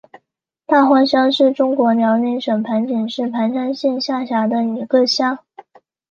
大荒乡是中国辽宁省盘锦市盘山县下辖的一个乡。